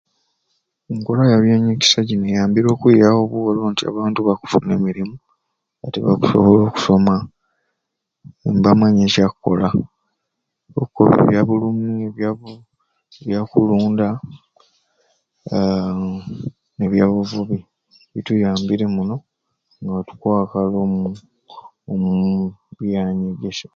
Enkola yabyanyegeesya jini eyambire okwiyawo obworo nti abantu bakufuna emirimu ate bakusobola okusoma mbamanya ekyakola, okola ebyabulumi, ebya bu ebya kulunda aaa nebya buvubi bituyambire muno nga tukwakala omu omuuu omubyanyegeesya.